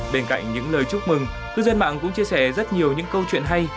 bên cạnh những lời chúc mừng cư dân mạng cũng chia sẻ rất nhiều những câu chuyện hay